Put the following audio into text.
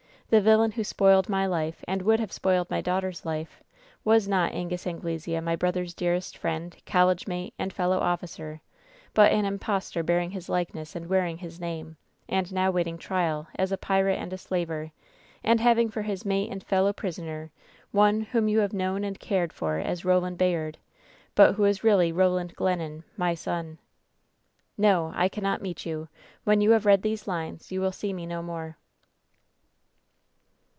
The villain who spoiled my life, and would have spoiled my daughter's life, was not Angus Anglesea, my brother's dearest friend, college niate, and fellow officer, but an Impostor bearing his likeness and wearing his name, and ^ now*Vaiting trial as a pirate and a slaver, and having for his mate and fellow prisoner one whom you have known and cp.ed for as Roland Bayard, but who is really Boland Glennon, my son.' "No ! I cannot meet you ! When you have read these lines you will see me no more."